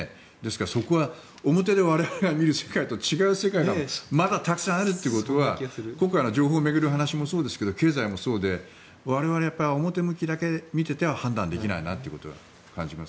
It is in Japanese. そこは、表で我々が見える世界と違う世界がまだたくさんあるということは今回の情報を巡る話もそうですが経済もそうで、我々は表向きだけ見ていては判断できない感じがします。